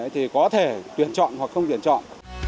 thì có thể tuyển chọn hoặc không tuyển chọn